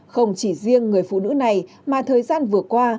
không chỉ riêng người phụ nữ này mà thời gian vừa qua